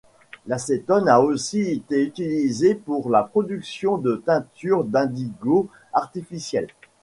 L'acétone a aussi été utilisée pour la production de teinture d’indigo artificiel.